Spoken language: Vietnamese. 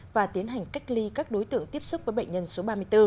và tiến hành cách ly các đối tượng tiếp xúc với bệnh nhân số ba mươi bốn